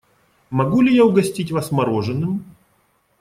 Могу ли я угостить вас мороженым?